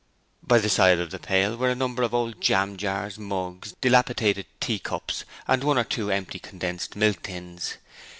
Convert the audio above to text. By the side of the pail were a number of old jam jars, mugs, dilapidated tea cups and one or two empty condensed milk tins.